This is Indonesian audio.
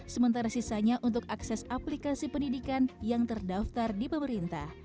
sementara sisanya untuk akses aplikasi pendidikan yang terdaftar di pemerintah